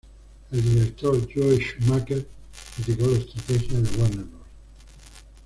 El director Joel Schumacher criticó la estrategia de Warner Bros.